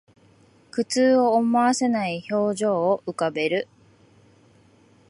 苦痛を思わせない表情を浮かべる